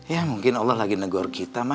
ya mungkin allah lagi negor kita mah